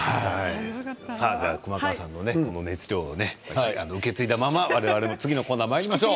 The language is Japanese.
熊川さんのこの熱量を受け継いだまま次のコーナーにまいりましょう。